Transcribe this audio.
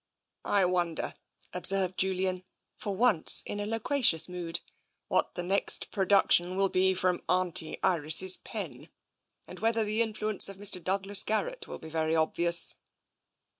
" I wonder," observed Julian, for once in a loqua cious mood, " what the next production will be from Auntie Iris' pen? And whether the influence of Mr. Douglas Garrett will be very obvious."